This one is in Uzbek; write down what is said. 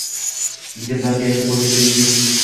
Yigitlarga aytib bo’lgandan keyin